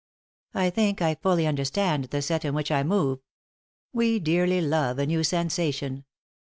I think I fully understand the set in which I move. We dearly love a new sensation.